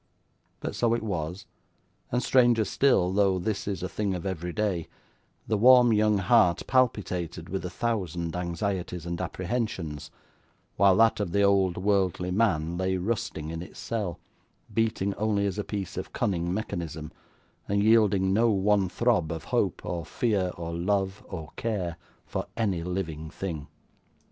But so it was; and stranger still though this is a thing of every day the warm young heart palpitated with a thousand anxieties and apprehensions, while that of the old worldly man lay rusting in its cell, beating only as a piece of cunning mechanism, and yielding no one throb of hope, or fear, or love, or care, for any living thing.